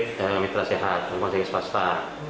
rumah sakit mitra sehat rumah sakit swasta